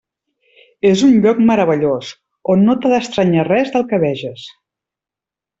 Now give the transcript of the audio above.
És un lloc meravellós on no t'ha d'estranyar res del que veges.